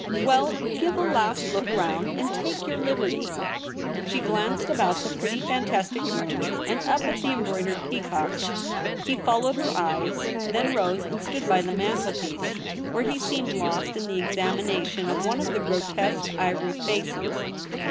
Well, give a last look round, and take your liberty.' She glanced about the pretty fantastic room and up at the embroidered peacocks. He 15—2 228 THE REBEL ROSE. followed her eyes, then rose and stood by the mantelpiece, where he seemed lost In the ex amination of one of the grotesque ivory faces.